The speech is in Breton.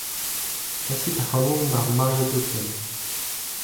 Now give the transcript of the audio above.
Kasit ac'hanon d'ar Mariott Hotel.